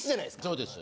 そうです。